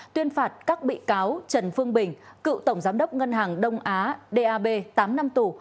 tuyên phạt các bị cáo trần phương bình cựu tổng giám đốc ngân hàng đông á dap tám năm tù